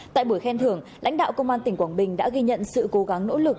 tại buổi khen thưởng lãnh đạo công an tỉnh quảng bình đã ghi nhận sự cố gắng nỗ lực